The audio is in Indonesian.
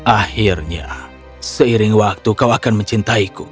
akhirnya seiring waktu kau akan mencintaiku